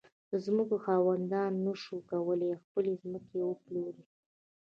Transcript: د ځمکو خاوندانو نه شوای کولای خپلې ځمکې وپلوري.